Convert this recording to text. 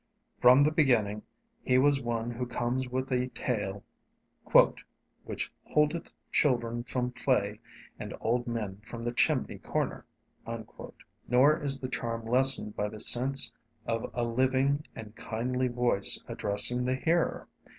From the beginning he was one who comes with a tale "which holdeth children from play and old men from the chimney corner"; nor is the charm lessened by the sense of a living and kindly voice addressing the hearer.